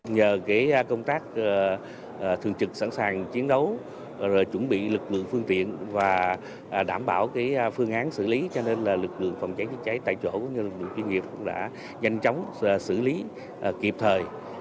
nhờ công tác thường trực sẵn sàng chiến đấu chuẩn bị lực lượng phương tiện và đảm bảo phương án xử lý cho nên lực lượng phòng cháy chữa cháy tại chỗ lực lượng chuyên nghiệp cũng đã nhanh chóng xử lý kịp thời